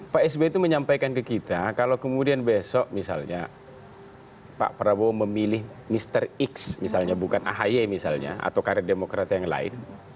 pak sby itu menyampaikan ke kita kalau kemudian besok misalnya pak prabowo memilih mr x misalnya bukan ahy misalnya atau karir demokrat yang lain